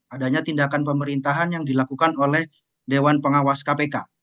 adanya tindakan pemerintahan yang dilakukan oleh dewan pengawas kpk